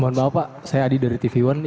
mohon maaf pak saya adi dari tv one